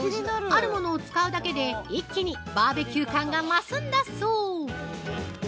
あるものを使うだけで、一気にバーベキュー感が増すんだそう！